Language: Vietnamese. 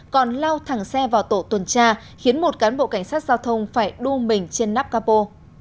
còn lao thẳng xe vào tổ tuần tra khiến một cán bộ cảnh sát giao thông phải đua mình trên nắp capo